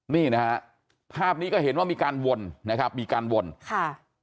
นี่นะฮะภาพนี้ก็เห็นว่ามีการวนนะครับมีการวนค่ะ